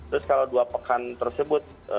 terus kalau dua pekan tersebut